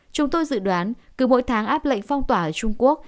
chúng tôi dự đoán cứ mỗi tháng áp lệnh phong tỏa ở trung quốc